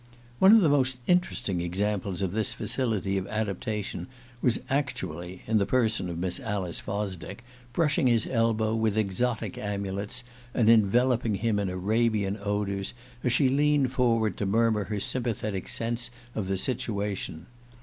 One of the most interesting examples of this facility of adaptation was actually, in the person of Miss Alice Fosdick, brushing his elbow with exotic amulets, and enveloping him in Arabian odours, as she leaned forward to murmur her sympathetic sense of the situation.